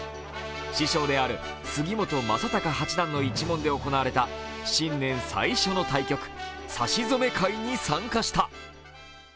師匠である杉本昌隆八段の一門で行われた新年最初の対局、指し初め会に参加した。